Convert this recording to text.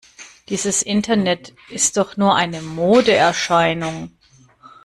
Dieses Internet ist doch nur eine Modeerscheinung!